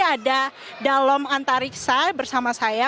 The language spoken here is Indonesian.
jadi ada dalom antariksa bersama saya